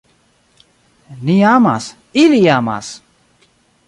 Ni amas, ili amas!